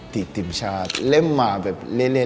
ติดติ่มชาติเล่มมาแบบ